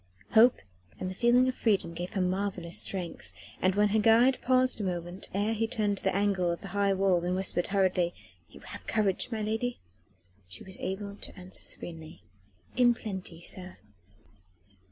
Hope and the feeling of freedom gave her marvellous strength, and when her guide paused a moment ere he turned the angle of the high wall and whispered hurriedly: "You have courage, my lady?" she was able to answer serenely: "In plenty, sir."